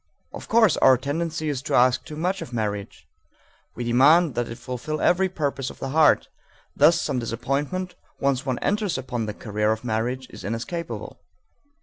Of course our tendency is to ask too much of marriage. We demand that it fulfill every purpose of the heart; thus some disappointment, once one enters upon the career of marriage, is inescapable.